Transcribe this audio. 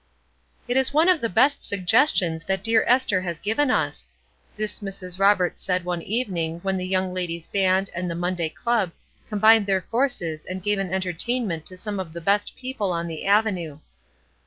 "It is one of the best suggestions that that dear Ester has given us." This Mrs. Roberts said one evening when the Young Ladies' Band and the Monday Club combined their forces and gave an entertainment to some of the best people on the avenue.